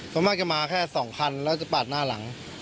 บางทีมันมาแค่๒คันแล้วจะปาดหน้าหลัง